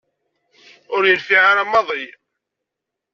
Ur yenfiɛ ara maḍi.